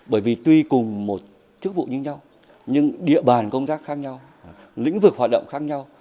bởi vì tuy cùng một chức vụ như nhau nhưng địa bàn công tác khác nhau lĩnh vực hoạt động khác nhau